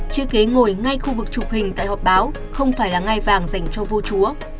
chiếc ghế ngồi ngay khu vực chụp hình tại họp báo không phải là ngai vàng dành cho vua chúa